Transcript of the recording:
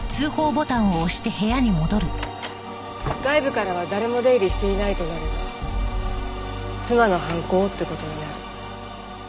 外部からは誰も出入りしていないとなれば妻の犯行って事になる。